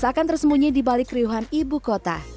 seakan tersembunyi di balik keriuhan ibu kota